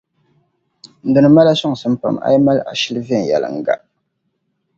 Di ni mali a sɔŋsim pam - A yi mali ashili viɛnyɛliŋga.